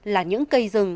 là những cây rừng